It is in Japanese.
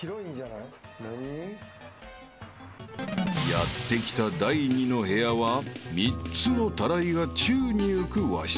［やって来た第２の部屋は３つのタライが宙に浮く和室］